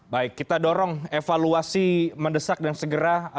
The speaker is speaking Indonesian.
baik kita dorong evaluasi mendesak dan segera